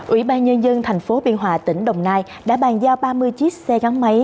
ủy ban nhân dân thành phố biên hòa tỉnh đồng nai đã bàn giao ba mươi chiếc xe gắn máy